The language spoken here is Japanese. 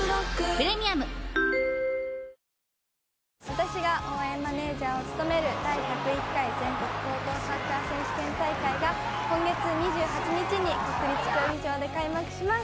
私が応援マネージャーを務める第１０１回全国高校サッカー選手権大会が今月２８日に国立競技場で開幕します！